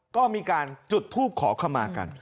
ก็มีการจุดทูปขอขมากัน